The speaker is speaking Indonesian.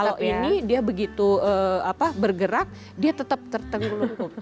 kalau ini dia begitu bergerak dia tetap terlalu tengkulep